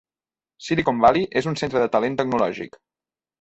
Silicon Valley és un centre de talent tecnològic.